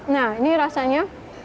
nah ini rasanya